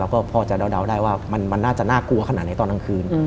ก็พอจะเดาได้ว่ามันน่าจะน่ากลัวขนาดไหนตอนกลางคืน